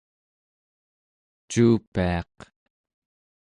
cuupiaq